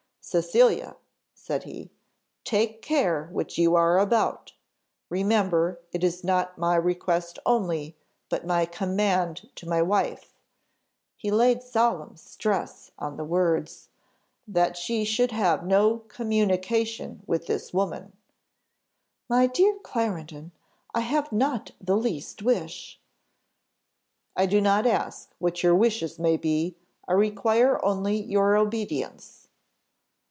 "'Cecilia,' said he, 'take care what you are about. Remember, it is not my request only, but my command to my wife' (he laid solemn stress on the words) 'that she should have no communication with this woman.' "'My dear Clarendon, I have not the least wish.' "'I do not ask what your wishes may be; I require only your obedience.